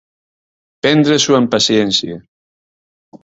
Prendre-s'ho amb paciència.